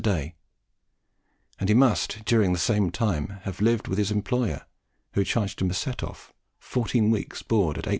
a day; and he must, during the same time, have lived with his employer, who charged him as a set off "14 weaks bord at 8s.